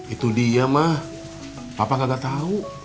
itu dia mah papa gak tau